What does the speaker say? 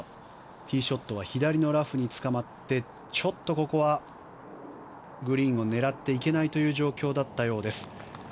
ティーショットは左のラフにつかまってちょっとここはグリーンを狙っていけないという状況だったようです。